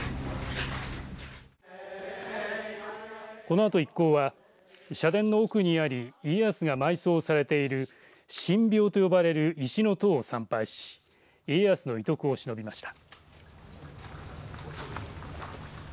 このあと一行は社殿の奥にあり家康が埋葬されている神廟と呼ばれる石の塔を参拝し家康の遺徳をしのびました。